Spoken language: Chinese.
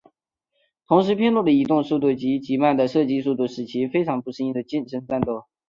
同时偏弱的移动速度及极慢的射击速度使其非常不适应近身战斗。